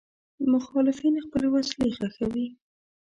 مخالفین خپل وسلې ښخوي.